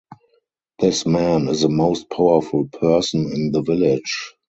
This man is the most powerful person in the village.